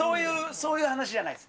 そういう話じゃないです。